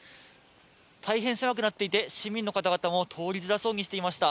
大変狭くなっていて、市民の方も通りづらそうにしていました。